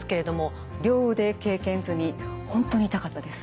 本当に痛かったです。